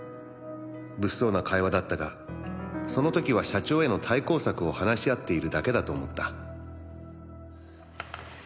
「物騒な会話だったがその時は社長への対抗策を話し合っているだけだと思った」